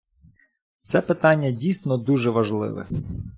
Це питання дійсно дуже важливе.